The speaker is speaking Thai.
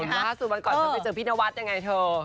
ล่าสุดวันก่อนจะไปเจอพี่นวัดยังไงเธอ